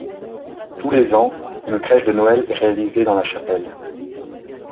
Tous les ans, une crèche de Noël est réalisée dans la chapelle.